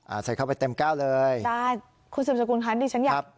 อ่าใส่เข้าไปเต็มแก้วเลยได้คุณสุบสกุลคะนี่ฉันอยาก